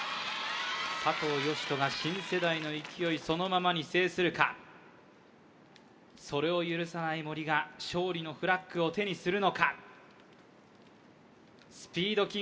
佐藤嘉人が新世代の勢いそのままに制するかそれを許さない森が勝利のフラッグを手にするのかスピード